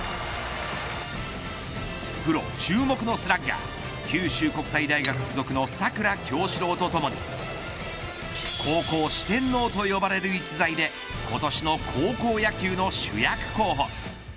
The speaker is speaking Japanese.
プロ注目のスラッガーは九州国際大学付属の佐倉侠史朗とともに高校四天王と呼ばれる逸材で今年の高校野球の主役候補。